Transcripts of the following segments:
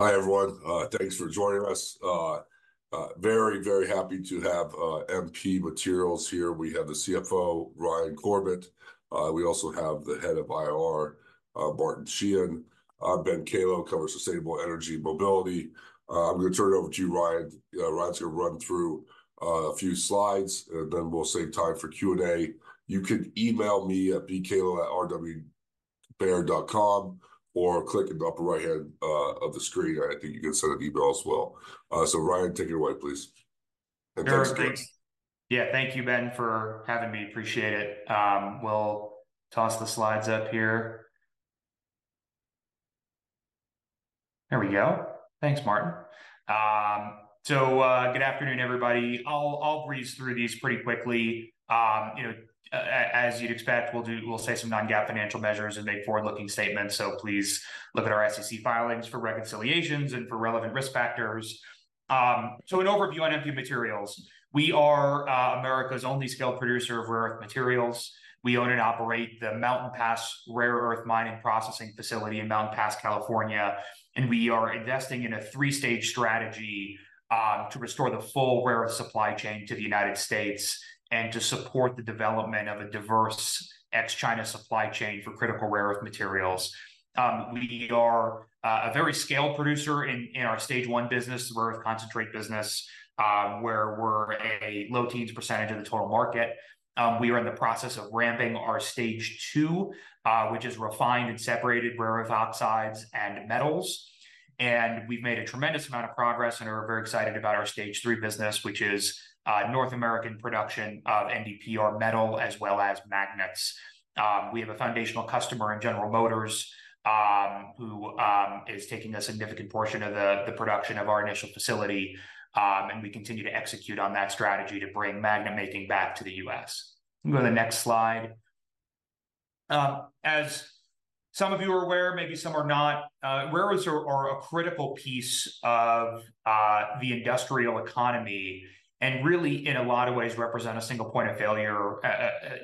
Hi everyone, thanks for joining us. Very, very happy to have MP Materials here. We have the CFO, Ryan Corbett. We also have the head of IR, Martin Sheehan. I'm Ben Kallo, cover sustainable energy mobility. I'm going to turn it over to you, Ryan. Ryan's going to run through a few slides, and then we'll save time for Q&A. You can email me at bkallo@rwbaird.com or click in the upper right-hand of the screen. I think you can send an email as well. So Ryan, take it away, please. And thanks, Ben. All right. Thanks. Yeah, thank you, Ben, for having me. Appreciate it. We'll toss the slides up here. There we go. Thanks, Martin. So, good afternoon, everybody. I'll breeze through these pretty quickly. You know, as you'd expect, we'll say some non-GAAP financial measures and make forward-looking statements, so please look at our SEC filings for reconciliations and for relevant risk factors. So, an overview on MP Materials. We are America's only scaled producer of rare earth materials. We own and operate the Mountain Pass rare earth mine and processing facility in Mountain Pass, California, and we are investing in a three-stage strategy to restore the full rare earth supply chain to the United States and to support the development of a diverse ex-China supply chain for critical rare earth materials. We are a very scaled producer in our stage one business, the rare earth concentrate business, where we're a low teens% of the total market. We are in the process of ramping our stage two, which is refined and separated rare earth oxides and metals. We've made a tremendous amount of progress, and we're very excited about our stage three business, which is North American production of NdPr metal as well as magnets. We have a foundational customer in General Motors, who is taking a significant portion of the production of our initial facility, and we continue to execute on that strategy to bring magnet making back to the U.S. I'm going to the next slide. As some of you are aware, maybe some are not, rare earths are a critical piece of the industrial economy and really, in a lot of ways, represent a single point of failure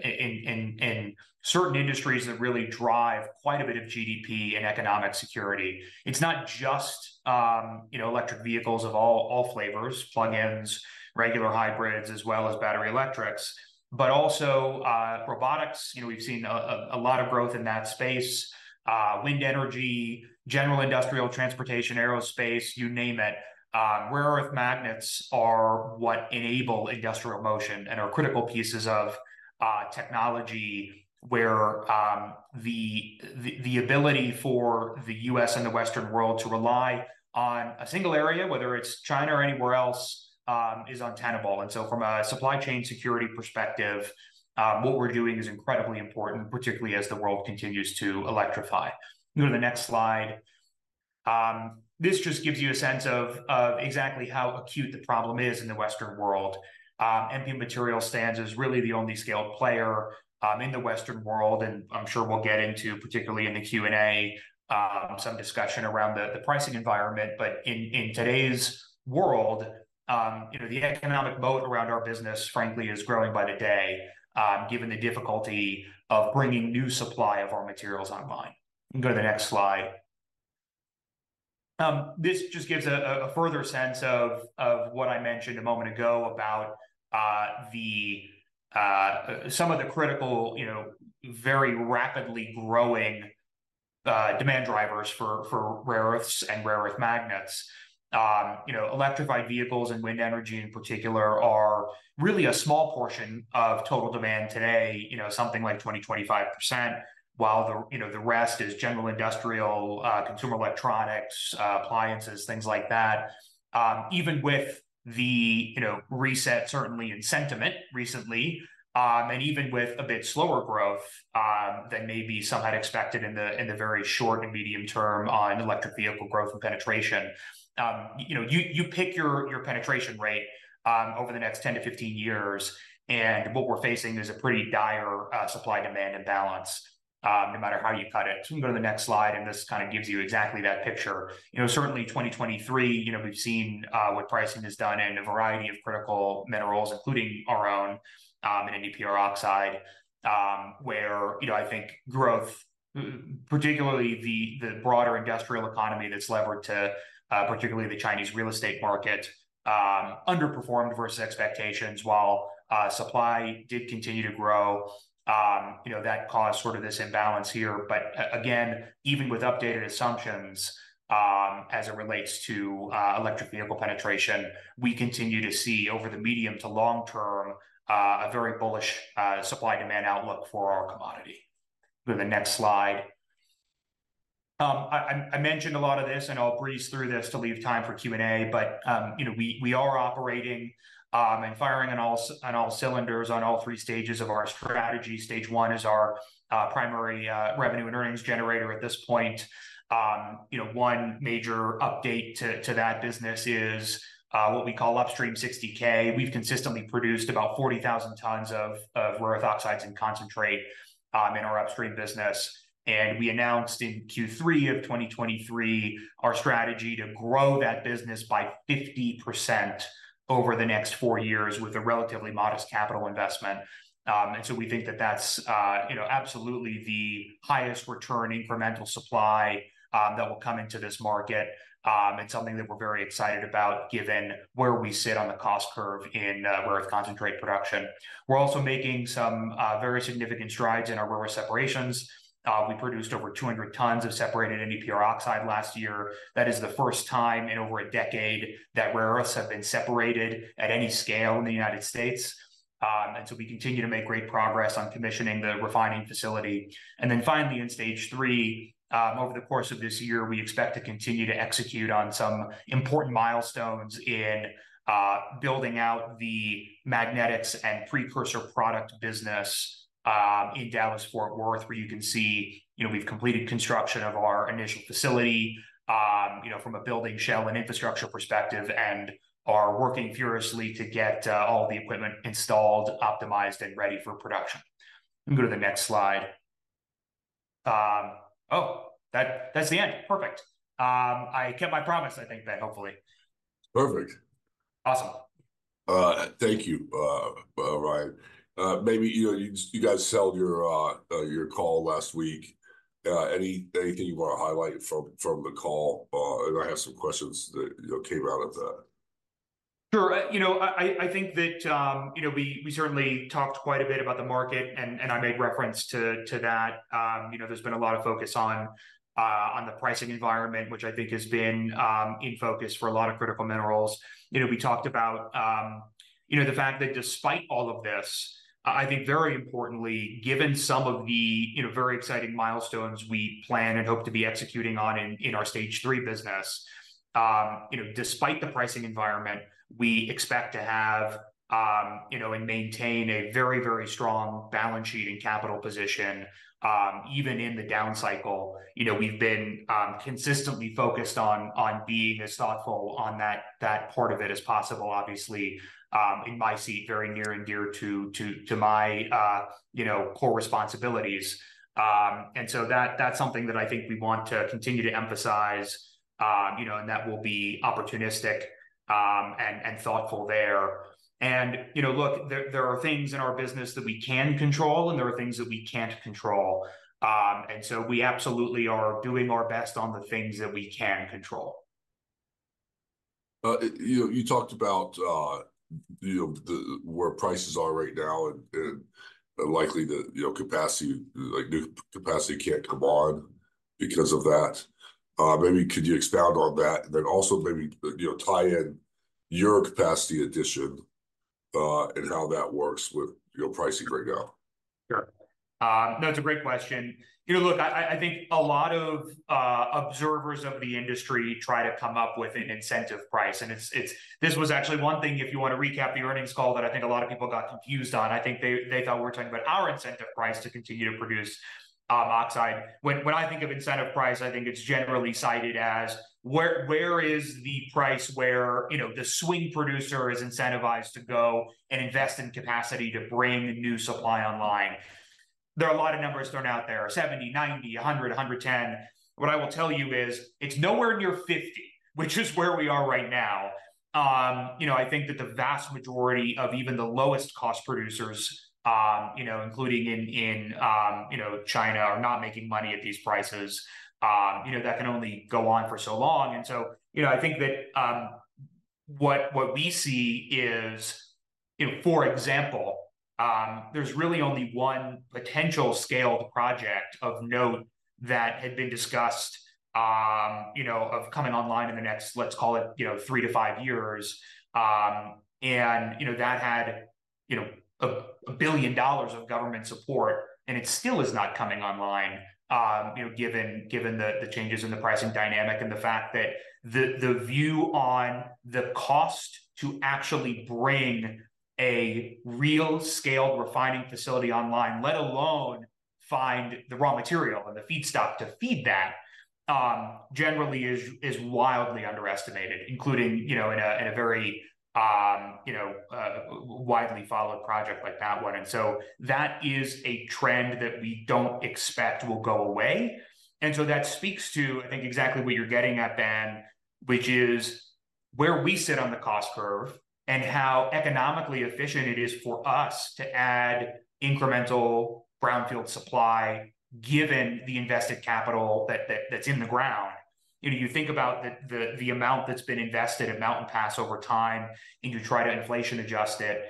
in certain industries that really drive quite a bit of GDP and economic security. It's not just, you know, electric vehicles of all flavors-plug-ins, regular hybrids, as well as battery electrics-but also robotics. You know, we've seen a lot of growth in that space. Wind energy, general industrial transportation, aerospace, you name it. Rare earth magnets are what enable industrial motion and are critical pieces of technology where the ability for the U.S. and the Western world to rely on a single area, whether it's China or anywhere else, is untenable. And so from a supply chain security perspective, what we're doing is incredibly important, particularly as the world continues to electrify. I'm going to the next slide. This just gives you a sense of exactly how acute the problem is in the Western world. MP Materials stands as really the only scaled player in the Western world, and I'm sure we'll get into, particularly in the Q&A, some discussion around the pricing environment. But in today's world, you know, the economic moat around our business, frankly, is growing by the day, given the difficulty of bringing new supply of our materials online. I'm going to the next slide. This just gives a further sense of what I mentioned a moment ago about some of the critical, you know, very rapidly growing, demand drivers for rare earths and rare earth magnets. You know, electrified vehicles and wind energy in particular are really a small portion of total demand today, you know, something like 20%-25%, while the, you know, the rest is general industrial, consumer electronics, appliances, things like that. Even with the, you know, reset, certainly in sentiment recently, and even with a bit slower growth than maybe some had expected in the very short and medium term on electric vehicle growth and penetration, you know, you pick your penetration rate, over the next 10-15 years, and what we're facing is a pretty dire supply-demand imbalance, no matter how you cut it. So I'm going to the next slide, and this kind of gives you exactly that picture. You know, certainly 2023, you know, we've seen what pricing has done in a variety of critical minerals, including our own, and NdPr oxide, where, you know, I think growth, particularly the broader industrial economy that's levered to, particularly the Chinese real estate market, underperformed versus expectations, while supply did continue to grow. You know, that caused sort of this imbalance here. But again, even with updated assumptions, as it relates to electric vehicle penetration, we continue to see over the medium to long term, a very bullish supply-demand outlook for our commodity. I'm going to the next slide. I mentioned a lot of this, and I'll breeze through this to leave time for Q&A. But, you know, we are operating and firing on all cylinders on all three stages of our strategy. Stage one is our primary revenue and earnings generator at this point. You know, one major update to that business is what we call Upstream 60K. We've consistently produced about 40,000 tons of rare earth oxides and concentrate in our upstream business. We announced in Q3 of 2023 our strategy to grow that business by 50% over the next four years with a relatively modest capital investment. So we think that that's, you know, absolutely the highest return incremental supply that will come into this market. It's something that we're very excited about given where we sit on the cost curve in rare earth concentrate production. We're also making some very significant strides in our rare earth separations. We produced over 200 tons of separated NdPr oxide last year. That is the first time in over a decade that rare earths have been separated at any scale in the United States. So we continue to make great progress on commissioning the refining facility. And then finally, in stage three, over the course of this year, we expect to continue to execute on some important milestones in building out the magnetics and precursor product business, in Dallas-Fort Worth, where you can see, you know, we've completed construction of our initial facility, you know, from a building shell and infrastructure perspective, and are working furiously to get all of the equipment installed, optimized, and ready for production. I'm going to the next slide. Oh, that's the end. Perfect. I kept my promise, I think, Ben, hopefully. Perfect. Awesome. Thank you. Ryan, maybe, you know, you guys held your call last week. Anything you want to highlight from the call? I have some questions that, you know, came out of that. Sure. You know, I think that, you know, we certainly talked quite a bit about the market, and I made reference to that. You know, there's been a lot of focus on the pricing environment, which I think has been in focus for a lot of critical minerals. You know, we talked about, you know, the fact that despite all of this, I think very importantly, given some of the, you know, very exciting milestones we plan and hope to be executing on in our stage three business, you know, despite the pricing environment, we expect to have, you know, and maintain a very, very strong balance sheet and capital position, even in the down cycle. You know, we've been consistently focused on being as thoughtful on that part of it as possible, obviously. In my seat, very near and dear to my, you know, core responsibilities. So that's something that I think we want to continue to emphasize, you know, and that will be opportunistic, and thoughtful there. You know, look, there are things in our business that we can control, and there are things that we can't control. So we absolutely are doing our best on the things that we can control. You know, you talked about, you know, the where prices are right now and likely that, you know, capacity, like new capacity, can't come on because of that. Maybe could you expound on that and then also maybe, you know, tie in your capacity addition, and how that works with, you know, pricing right now? Sure. No, it's a great question. You know, look, I think a lot of observers of the industry try to come up with an incentive price, and it's this was actually one thing, if you want to recap the earnings call, that I think a lot of people got confused on. I think they thought we were talking about our incentive price to continue to produce oxide. When I think of incentive price, I think it's generally cited as where is the price where, you know, the swing producer is incentivized to go and invest in capacity to bring new supply online? There are a lot of numbers thrown out there: $70, $90, $100, $110. What I will tell you is it's nowhere near $50, which is where we are right now. You know, I think that the vast majority of even the lowest cost producers, you know, including in, you know, China, are not making money at these prices. You know, that can only go on for so long. And so, you know, I think that, what we see is, you know, for example, there's really only one potential scaled project of note that had been discussed, you know, of coming online in the next, let's call it, you know, three to five years. and, you know, that had, you know, $1 billion of government support, and it still is not coming online, you know, given the changes in the pricing dynamic and the fact that the view on the cost to actually bring a real scaled refining facility online, let alone find the raw material and the feedstock to feed that, generally is wildly underestimated, including, you know, in a very, you know, widely followed project like that one. And so that is a trend that we don't expect will go away. And so that speaks to, I think, exactly what you're getting at, Ben, which is where we sit on the cost curve and how economically efficient it is for us to add incremental brownfield supply given the invested capital that's in the ground. You know, you think about the amount that's been invested at Mountain Pass over time, and you try to inflation adjust it,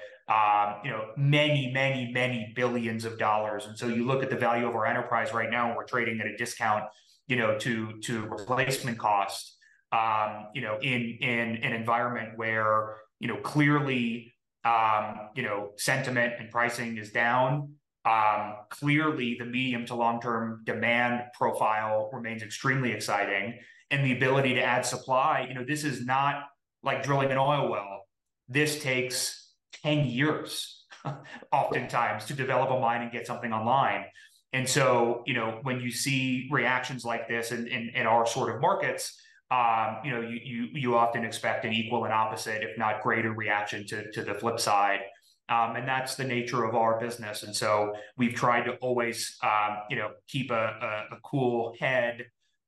you know, many $ billions. And so you look at the value of our enterprise right now, and we're trading at a discount, you know, to replacement cost, you know, in an environment where, you know, clearly, you know, sentiment and pricing is down. Clearly, the medium- to long-term demand profile remains extremely exciting, and the ability to add supply, you know, this is not like drilling an oil well. This takes 10 years oftentimes to develop a mine and get something online. And so, you know, when you see reactions like this in our sort of markets, you know, you often expect an equal and opposite, if not greater reaction to the flip side. That's the nature of our business. So we've tried to always, you know, keep a cool head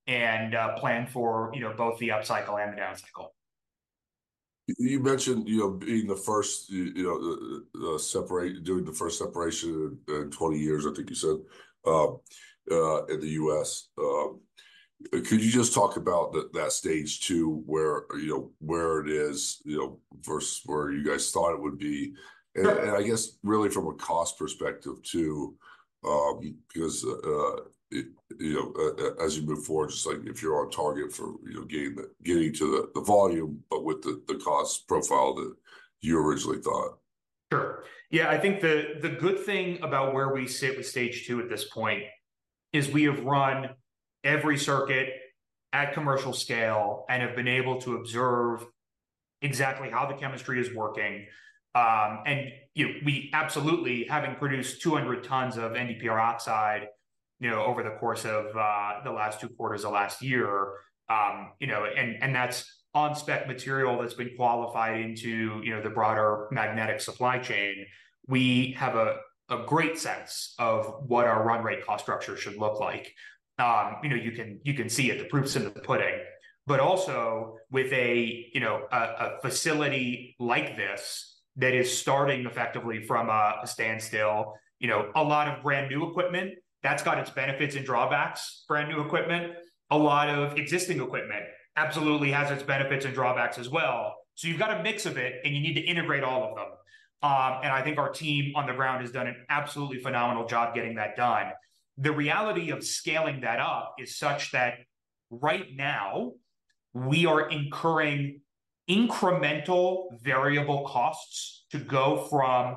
and plan for, you know, both the up cycle and the down cycle. You mentioned, you know, being the first, you know, the separate doing the first separation in 20 years, I think you said, in the U.S. Could you just talk about that stage two where, you know, where it is, you know, versus where you guys thought it would be? And I guess really from a cost perspective too, because, you know, as you move forward, just like if you're on target for, you know, getting to the volume, but with the cost profile that you originally thought. Sure. Yeah, I think the good thing about where we sit with stage two at this point is we have run every circuit at commercial scale and have been able to observe exactly how the chemistry is working. And, you know, we absolutely having produced 200 tons of NdPr oxide, you know, over the course of the last two quarters of last year, you know, and that's on spec material that's been qualified into, you know, the broader magnetic supply chain, we have a great sense of what our run rate cost structure should look like. You know, you can see it. The proof's in the pudding. But also with a, you know, facility like this that is starting effectively from a standstill, you know, a lot of brand new equipment that's got its benefits and drawbacks, brand new equipment, a lot of existing equipment absolutely has its benefits and drawbacks as well. So you've got a mix of it, and you need to integrate all of them. And I think our team on the ground has done an absolutely phenomenal job getting that done. The reality of scaling that up is such that right now we are incurring incremental variable costs to go from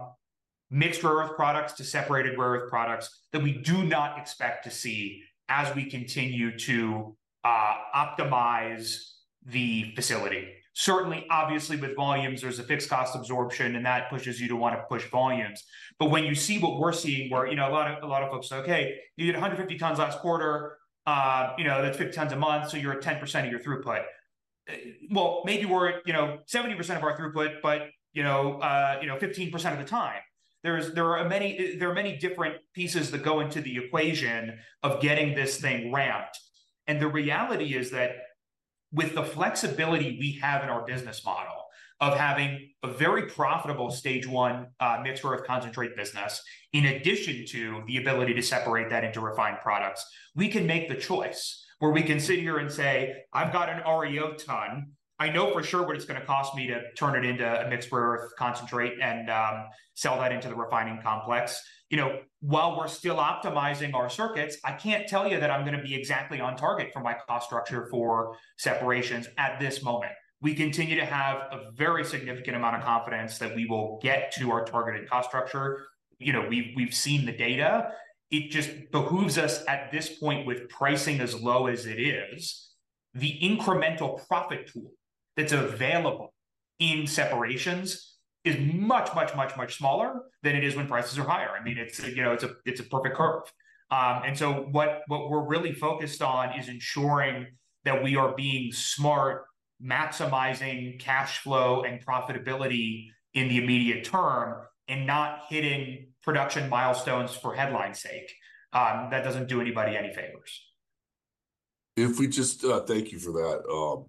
mixed rare earth products to separated rare earth products that we do not expect to see as we continue to optimize the facility. Certainly, obviously, with volumes, there's a fixed cost absorption, and that pushes you to want to push volumes. But when you see what we're seeing where, you know, a lot of a lot of folks say, "Okay, you did 150 tons last quarter. You know, that's 50 tons a month, so you're at 10% of your throughput." Well, maybe we're at, you know, 70% of our throughput, but, you know, you know, 15% of the time. There are many different pieces that go into the equation of getting this thing ramped. And the reality is that with the flexibility we have in our business model of having a very profitable stage one, mixed rare earth concentrate business, in addition to the ability to separate that into refined products, we can make the choice where we can sit here and say, "I've got an REO ton. I know for sure what it's going to cost me to turn it into a mixed rare earth concentrate and sell that into the refining complex. You know, while we're still optimizing our circuits, I can't tell you that I'm going to be exactly on target for my cost structure for separations at this moment. We continue to have a very significant amount of confidence that we will get to our targeted cost structure. You know, we've seen the data. It just behooves us at this point with pricing as low as it is, the incremental profit tool that's available in separations is much, much, much, much smaller than it is when prices are higher. I mean, it's a, you know, it's a perfect curve. What we're really focused on is ensuring that we are being smart, maximizing cash flow and profitability in the immediate term and not hitting production milestones for headline's sake. That doesn't do anybody any favors. If we just thank you for that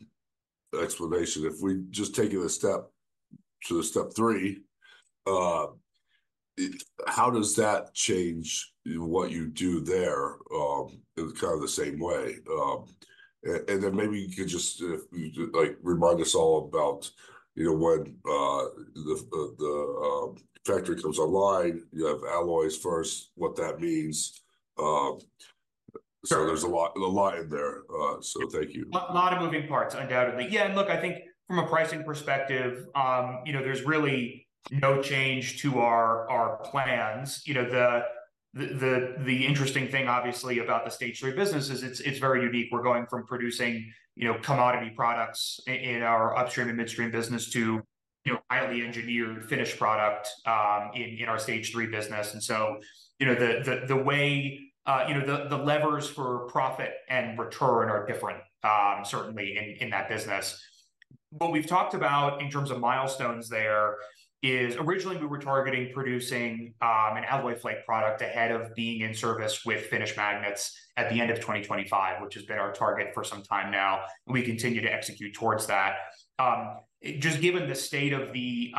explanation. If we just take it a step to step three, how does that change what you do there? In kind of the same way. And then maybe you could just if you could, like, remind us all about, you know, when the factory comes online, you have alloys first, what that means. So there's a lot in there. So thank you. A lot of moving parts, undoubtedly. Yeah. Look, I think from a pricing perspective, you know, there's really no change to our plans. You know, the interesting thing, obviously, about the stage three business is it's very unique. We're going from producing, you know, commodity products in our upstream and midstream business to, you know, highly engineered finished product, in our stage three business. And so, you know, the way, you know, the levers for profit and return are different, certainly in that business. What we've talked about in terms of milestones there is originally we were targeting producing, an alloy flake product ahead of being in service with finished magnets at the end of 2025, which has been our target for some time now. We continue to execute towards that. Just given the state of the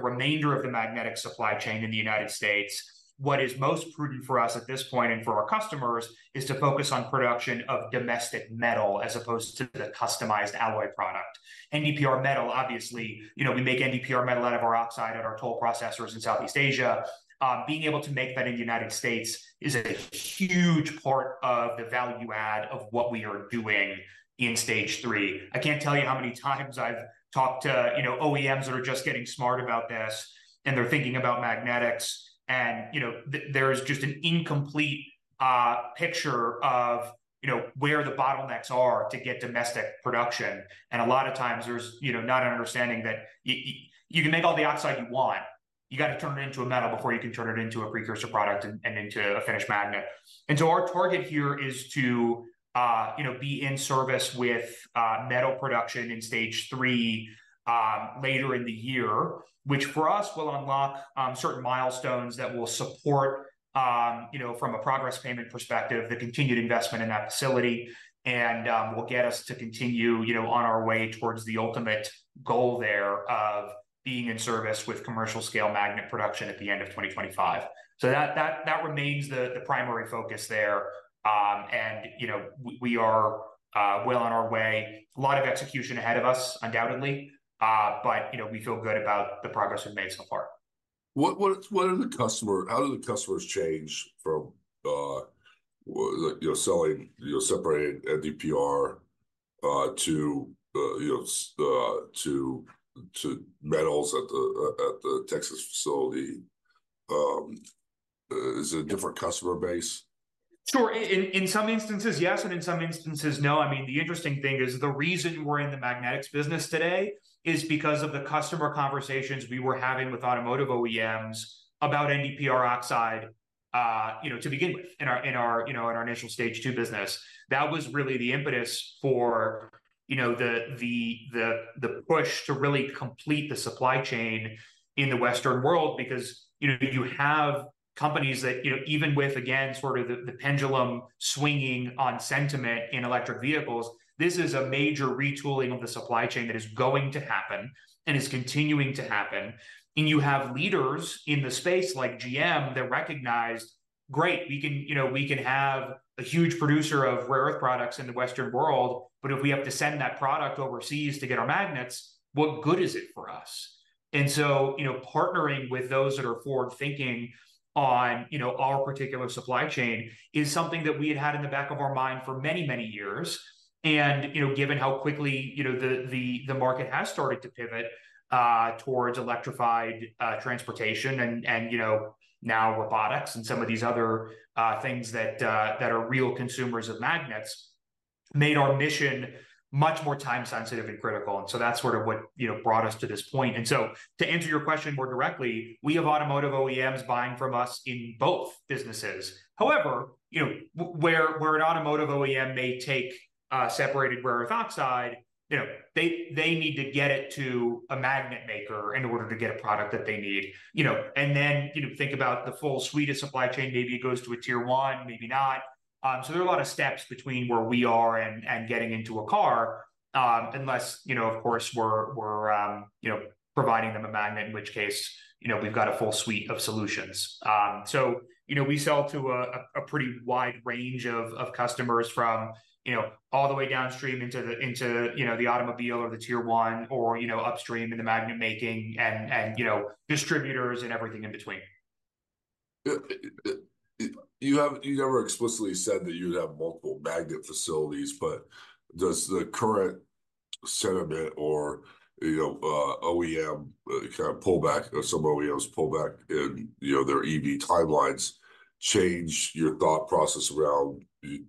remainder of the magnetic supply chain in the United States, what is most prudent for us at this point and for our customers is to focus on production of domestic metal as opposed to the customized alloy product. NdPr metal, obviously, you know, we make NdPr metal out of our oxide at our toll processors in Southeast Asia. Being able to make that in the United States is a huge part of the value add of what we are doing in stage three. I can't tell you how many times I've talked to, you know, OEMs that are just getting smart about this, and they're thinking about magnetics, and, you know, there's just an incomplete picture of, you know, where the bottlenecks are to get domestic production. And a lot of times there's, you know, not an understanding that you can make all the oxide you want. You got to turn it into a metal before you can turn it into a precursor product and into a finished magnet. And so our target here is to, you know, be in service with metal production in stage three, later in the year, which for us will unlock certain milestones that will support, you know, from a progress payment perspective, the continued investment in that facility, and will get us to continue, you know, on our way towards the ultimate goal there of being in service with commercial scale magnet production at the end of 2025. So that remains the primary focus there. And, you know, we are well on our way. A lot of execution ahead of us, undoubtedly. but, you know, we feel good about the progress we've made so far. What are the customers, how do the customers change from, you know, selling, you know, separated NdPr, to, you know, to metals at the Texas facility? Is it a different customer base? Sure. In some instances, yes, and in some instances, no. I mean, the interesting thing is the reason we're in the magnetics business today is because of the customer conversations we were having with automotive OEMs about NdPr oxide, you know, to begin with in our, you know, in our initial stage two business. That was really the impetus for, you know, the push to really complete the supply chain in the Western world because, you know, you have companies that, you know, even with, again, sort of the pendulum swinging on sentiment in electric vehicles, this is a major retooling of the supply chain that is going to happen and is continuing to happen. You have leaders in the space like GM that recognized, "Great, we can you know, we can have a huge producer of rare earth products in the Western world, but if we have to send that product overseas to get our magnets, what good is it for us?" And so, you know, partnering with those that are forward thinking on, you know, our particular supply chain is something that we had had in the back of our mind for many, many years. And, you know, given how quickly, you know, the market has started to pivot towards electrified transportation and, you know, now robotics and some of these other things that are real consumers of magnets made our mission much more time sensitive and critical. And so that's sort of what, you know, brought us to this point. And so to answer your question more directly, we have automotive OEMs buying from us in both businesses. However, you know, where an automotive OEM may take separated rare earth oxide, you know, they need to get it to a magnet maker in order to get a product that they need, you know, and then, you know, think about the full suite of supply chain. Maybe it goes to a Tier 1, maybe not. So there are a lot of steps between where we are and getting into a car, unless, you know, of course, we're providing them a magnet, in which case, you know, we've got a full suite of solutions. You know, we sell to a pretty wide range of customers from, you know, all the way downstream into the, you know, the automobile or the tier one or, you know, upstream in the magnet making and, you know, distributors and everything in between. Have you never explicitly said that you'd have multiple magnet facilities, but does the current sentiment or, you know, OEM kind of pullback or some OEMs pullback in, you know, their EV timelines change your thought process around, you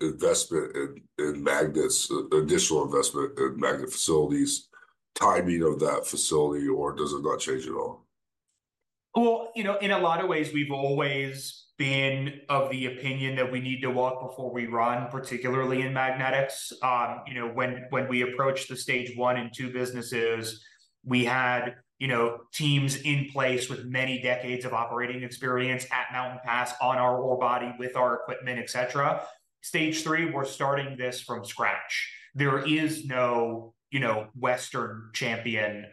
know, investment in magnets, additional investment in magnet facilities, timing of that facility, or does it not change at all? Well, you know, in a lot of ways, we've always been of the opinion that we need to walk before we run, particularly in magnetics. You know, when we approached the stage one and two businesses, we had, you know, teams in place with many decades of operating experience at Mountain Pass on our ore body with our equipment, et cetera. Stage three, we're starting this from scratch. There is no, you know, Western champion,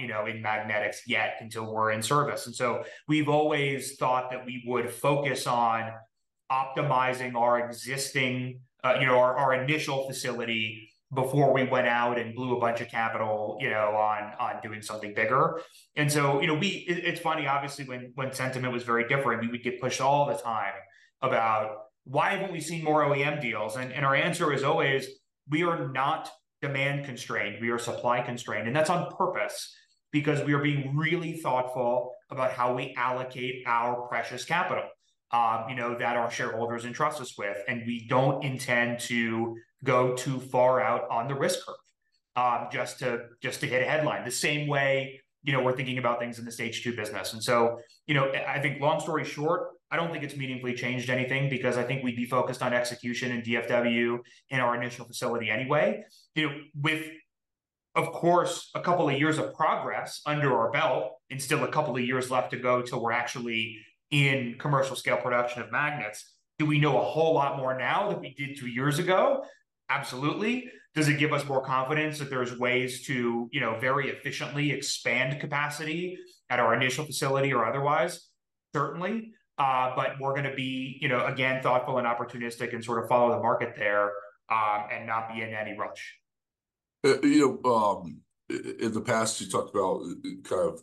you know, in magnetics yet until we're in service. And so we've always thought that we would focus on optimizing our existing, you know, our initial facility before we went out and blew a bunch of capital, you know, on doing something bigger. And so, you know, we it's funny, obviously, when sentiment was very different, we would get pushed all the time about, "Why haven't we seen more OEM deals?" And our answer is always, "We are not demand constrained. We are supply constrained." And that's on purpose because we are being really thoughtful about how we allocate our precious capital, you know, that our shareholders entrust us with. And we don't intend to go too far out on the risk curve, just to hit a headline. The same way, you know, we're thinking about things in the stage two business. And so, you know, I think long story short, I don't think it's meaningfully changed anything because I think we'd be focused on execution and DFW in our initial facility anyway. You know, with, of course, a couple of years of progress under our belt and still a couple of years left to go till we're actually in commercial scale production of magnets, do we know a whole lot more now than we did two years ago? Absolutely. Does it give us more confidence that there's ways to, you know, very efficiently expand capacity at our initial facility or otherwise? Certainly. But we're going to be, you know, again, thoughtful and opportunistic and sort of follow the market there, and not be in any rush. You know, in the past, you talked about kind of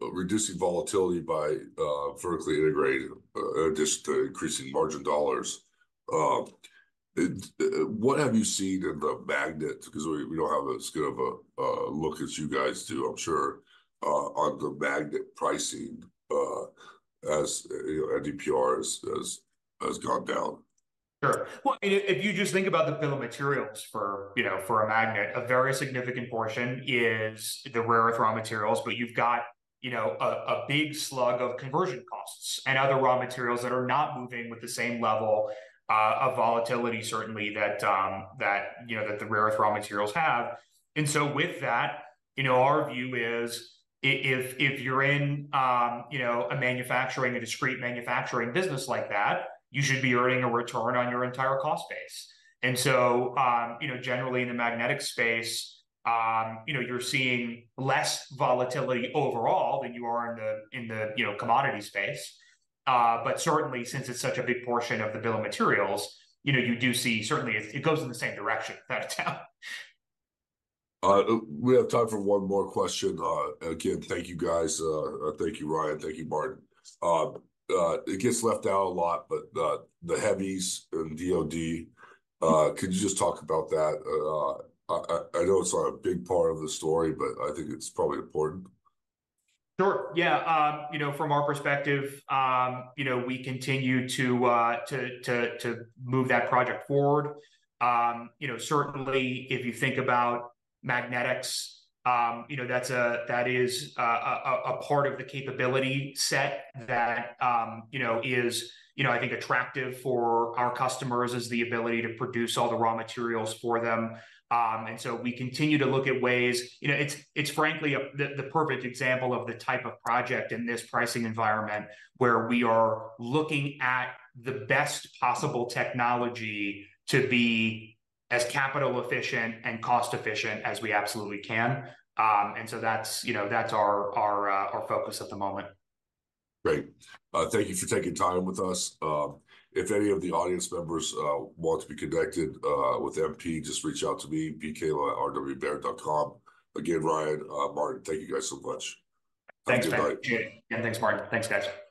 reducing volatility by vertically integrating or just increasing margin dollars. What have you seen in the magnet? Because we don't have as good of a look as you guys do, I'm sure, on the magnet pricing, as, you know, NdPr has gone down. Sure. Well, I mean, if you just think about the bill of materials for, you know, for a magnet, a very significant portion is the rare earth raw materials. But you've got, you know, a big slug of conversion costs and other raw materials that are not moving with the same level of volatility, certainly, that the rare earth raw materials have. And so with that, you know, our view is if you're in, you know, a discrete manufacturing business like that, you should be earning a return on your entire cost base. And so, you know, generally in the magnetic space, you know, you're seeing less volatility overall than you are in the commodity space. But certainly, since it's such a big portion of the bill of materials, you know, you do see certainly it goes in the same direction without a doubt. We have time for one more question. Again, thank you, guys. Thank you, Ryan. Thank you, Martin. It gets left out a lot, but the heavies and D.O.D., could you just talk about that? I know it's not a big part of the story, but I think it's probably important. Sure. Yeah, you know, from our perspective, you know, we continue to move that project forward. You know, certainly, if you think about magnetics, you know, that's a part of the capability set that, you know, is attractive for our customers: the ability to produce all the raw materials for them. And so we continue to look at ways, you know, it's frankly the perfect example of the type of project in this pricing environment where we are looking at the best possible technology to be as capital efficient and cost efficient as we absolutely can. And so that's, you know, that's our focus at the moment. Great. Thank you for taking time with us. If any of the audience members want to be connected with MP, just reach out to me, bkallo@baird.com. Again, Ryan, Martin, thank you guys so much. Thanks, guys. Again, thanks, Martin. Thanks, guys.